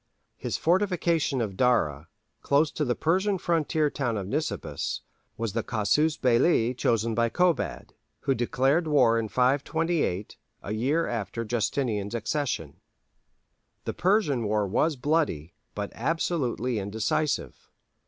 His fortification of Dara, close to the Persian frontier town of Nisibis, was the casus belli chosen by Kobad, who declared war in 528, a year after Justinian's accession. The Persian war was bloody, but absolutely indecisive.